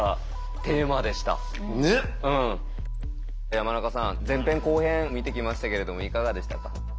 山中さん前編・後編見てきましたけれどもいかがでしたか？